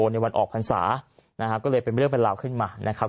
ในวันออกพรรษานะฮะก็เลยเป็นเรื่องเป็นราวขึ้นมานะครับ